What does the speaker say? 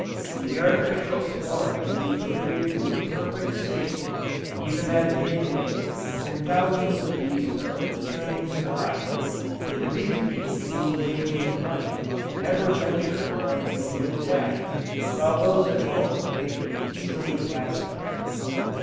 The artificial swarm may be created with perfect safety, even at mid day, when thousands of bees are returning to the hive: for these bees being laden with honey, never venture upon making an attack, while those at home may be easily pacified.